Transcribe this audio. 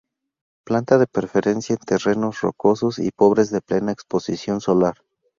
Planta de preferencia en terrenos rocosos, y pobres de plena exposición solar.